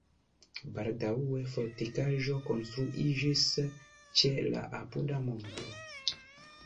Baldaŭe fortikaĵo konstruiĝis ĉe la apuda monto.